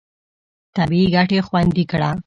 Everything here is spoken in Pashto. طبیعي ګټې خوندي کړه.